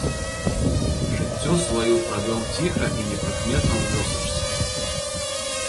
Жыццё сваю правёў ціха і непрыкметна ў вёсачцы.